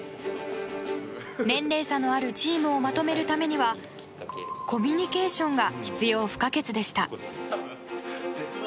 年齢差のあるチームをまとめるためにはコミュニケーションが必要不可欠でした。